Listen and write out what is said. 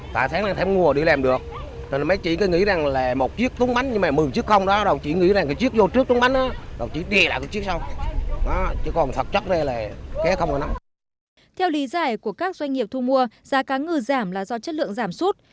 theo lý giải của các doanh nghiệp thu mua giá cá ngừ giảm là do chất lượng giảm sút